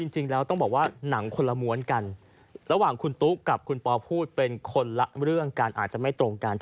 จริงแล้วต้องบอกว่าหนังคนละม้วนกันระหว่างคุณตุ๊กกับคุณปอพูดเป็นคนละเรื่องกันอาจจะไม่ตรงกัน